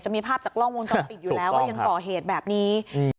มีภาพจากกล้องวงจรปิดอยู่แล้วว่ายังก่อเหตุแบบนี้